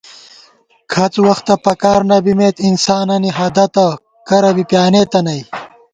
کھڅ وختہ پکار نہ بِمېت ، انسانَنی ہدَتہ کرہ بی پیانېتہ نئ